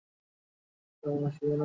শিলা মাসি জানে?